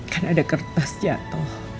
kan ada kertas jatuh